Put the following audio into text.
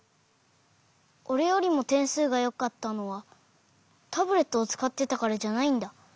おれよりもてんすうがよかったのはタブレットをつかってたからじゃないんだ。